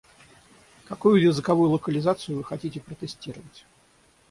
Какую языковую локализацию вы хотите протестировать?